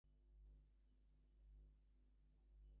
It has white plumage and a long black bill.